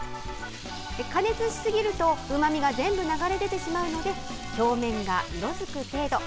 加熱しすぎるとうまみが全部流れ出てしまうので表面が色づく程度。